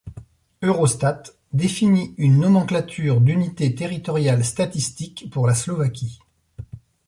Eurostat définit une nomenclature d'unités territoriales statistiques pour la Slovaquie.